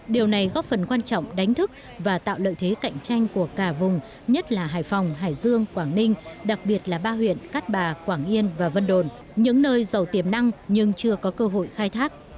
điều này góp phần quan trọng đánh thức và tạo lợi thế cạnh tranh của cả vùng nhất là hải phòng hải dương quảng ninh đặc biệt là ba huyện cát bà quảng yên và vân đồn những nơi giàu tiềm năng nhưng chưa có cơ hội khai thác